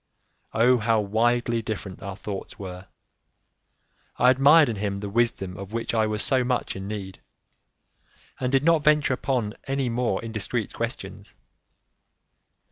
Oh, how widely different our thoughts were! I admired in him the wisdom of which I was so much in need, and did not venture upon any more indiscreet questions.